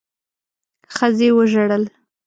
ښځې وژړل.